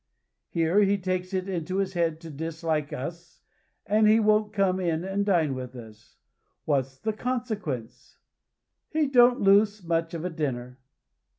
Here, he takes it into his head to dislike us, and he won't come and dine with us. What's the consequence? He don't lose much of a dinner."